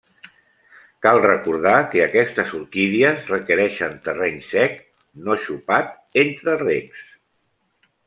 Cal recordar que aquestes orquídies requereixen terreny sec, no xopat, entre regs.